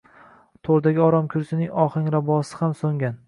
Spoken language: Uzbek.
To’rdagi oromkursining ohanrabosi ham so’ngan